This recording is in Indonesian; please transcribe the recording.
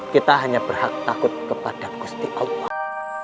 kita hanya berhak takut kepada gusti allah